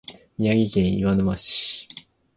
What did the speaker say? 宮城県岩沼市